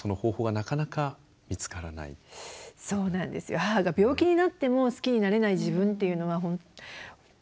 母が病気になっても好きになれない自分っていうのは本当